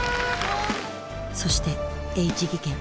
そしてＨ技研。